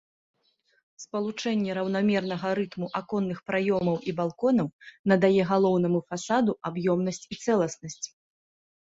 Спалучэнне раўнамернага рытму аконных праёмаў і балконаў надае галоўнаму фасаду аб'ёмнасць і цэласнасць.